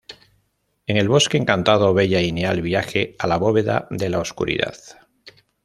En el Bosque Encantado, Bella y Neal viaje a la bóveda de la Oscuridad.